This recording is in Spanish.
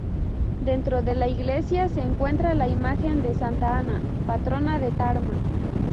Dentro de la iglesia se encuentra la imagen de Santa Ana, patrona de Tarma.